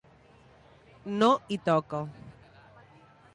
No hi toca.